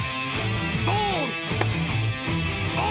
ボール！